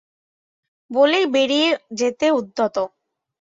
বলেই বেরিয়ে যেতে উদ্যত।